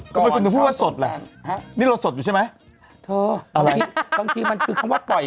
ก็คือไม่ว่าสดแหละนี่เราสดอยู่ใช่ไหมโถอะไรตอนที่มันคือคำว่าปล่อย